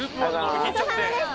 ごちそうさまです。